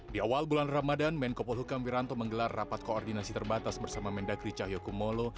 di awal bulan ramadan menko polhukam wiranto menggelar rapat koordinasi terbatas bersama mendagri cahyokumolo